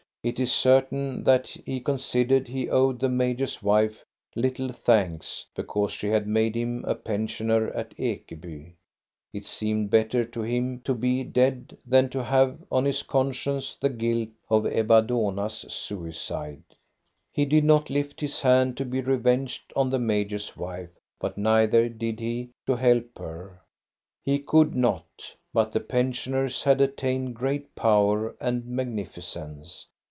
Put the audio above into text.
It is certain that he considered he owed the major's wife 62 THE STORY OF GOSTA BE RUNG little thanks because she had made him a pensioner at Ekeby; it seemed better to him to be dead than to have on his conscience the guilt of Ebba Dohna's suicide. He did not lift his hand to be revenged on the major's wife, but neither did he to help her. He could not. But the pensioners had attained great power and magnificence.